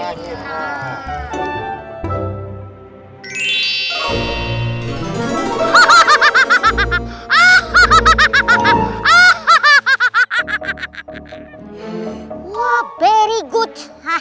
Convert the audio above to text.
wah sangat bagus